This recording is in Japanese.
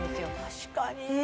確かに！